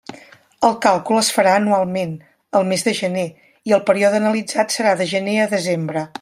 El càlcul es farà anualment, el mes de gener, i el període analitzat serà de gener a desembre.